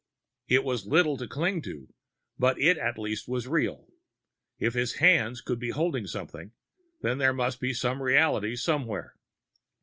It was little to cling to, but it at least was real. If his hands could be holding something, then there must be some reality somewhere.